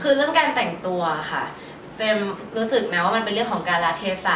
คือเรื่องการแต่งตัวค่ะเฟรมรู้สึกนะว่ามันเป็นเรื่องของการละเทศะ